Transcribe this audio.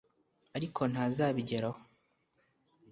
ariko ntazabigeraho